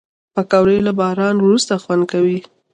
پکورې له باران وروسته خوند کوي